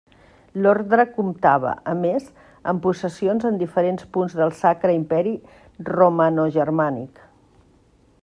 L'orde comptava, a més, amb possessions en diferents punts del Sacre Imperi Romanogermànic.